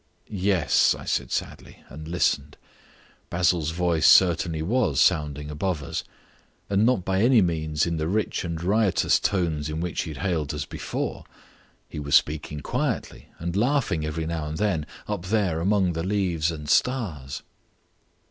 "Yes," I said sadly, and listened. Basil's voice certainly was sounding above us, and not by any means in the rich and riotous tones in which he had hailed us before. He was speaking quietly, and laughing every now and then, up there among the leaves and stars.